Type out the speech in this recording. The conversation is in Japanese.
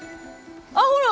あっほら！